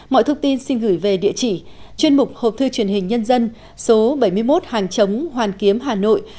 mọi thông tin xin gửi về địa chỉ chuyên mục hộp thư truyền hình nhân dân số bảy mươi một hàng chống hoàn kiếm hà nội